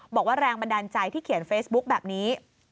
บอกว่าแรงบันดาลใจที่เขียนเฟซบุ๊กแบบนี้